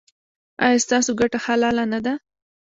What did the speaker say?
ایا ستاسو ګټه حلاله نه ده؟